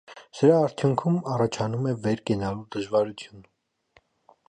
Սրա արդյունքում առաջանում է վեր կենալու դժվարություն։